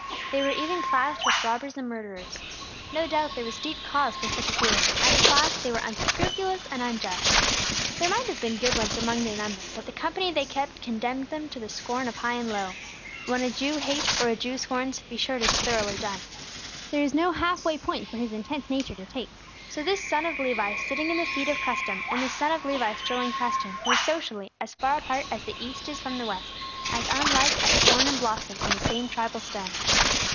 They were even classed with robbers and murderers. No doubt there was deep cause for such a feeling; as a class they were unscrupulous and unjust. There might have been good ones among their number, but the company they kept condemned them to the scorn of high and low. When a Jew hates, or a Jew scorns, be sure it is thoroughly done; there is no half way course for his intense nature to take. So this son of Levi, sitting in the seat of custom, and this son of Levi strolling past him, were, socially, as far apart as the east is from the west, as unlike as thorn and blossom on the same tribal stem.